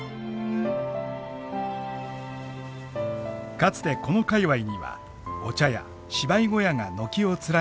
かつてこの界わいにはお茶屋芝居小屋が軒を連ねていました。